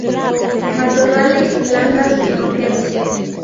Matorrales, landas, roquedos.